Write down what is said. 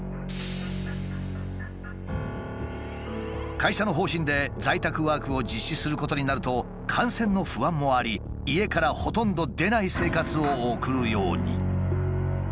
会社の方針で在宅ワークを実施することになると感染の不安もあり家からほとんど出ない生活を送るように。